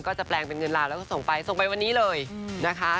จะแปลงเป็นเงินลาวแล้วก็ส่งไปส่งไปวันนี้เลยนะคะ